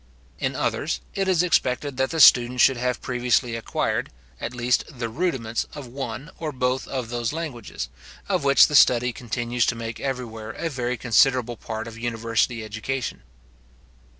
In others, it is expected that the student should have previously acquired, at least, the rudiments of one or both of those languages, of which the study continues to make everywhere a very considerable part of university education.